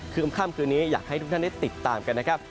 คือค่ำคืนนี้อยากให้ทุกท่านได้ติดตามกันนะครับ